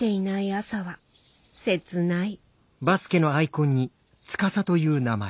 朝は切ない。